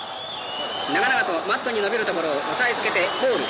長々とマットにのびるところを押さえつけてフォール。